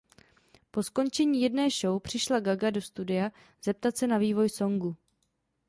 Po skončení jedné show přišla Gaga do studia se zeptat na vývoj songu.